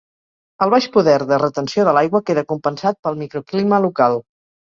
El baix poder de retenció de l'aigua queda compensat pel microclima local.